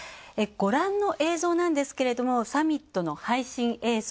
ご覧の映像なんですけどもサミットの配信映像。